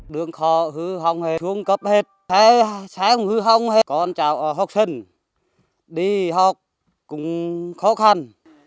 đi học cũng khó khăn